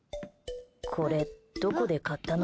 これ、どこで買ったの？